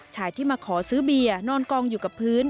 ชายที่มาขอซื้อเบียร์นอนกองอยู่กับพื้น